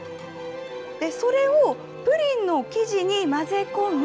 それをプリンの生地に混ぜ込み。